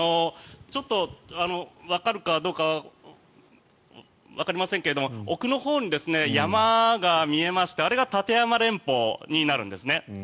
ちょっとわかるかどうかわかりませんが奥のほうに山が見えましてあれが立山連峰になるんですね。